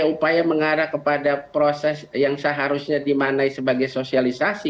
upaya mengarah kepada proses yang seharusnya dimanai sebagai sosialisasi